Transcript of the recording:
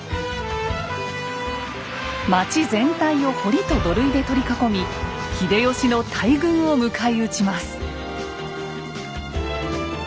町全体を堀と土塁で取り囲み秀吉の大軍を迎え撃ちます。